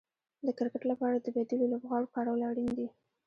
د کرکټ لپاره د بديلو لوبغاړو کارول اړين دي.